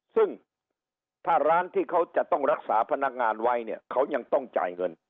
ซึ่งถ้าร้านที่เขาจะต้องรักษาพนักงานไว้เนี่ยเขายังต้องจ่ายเงิน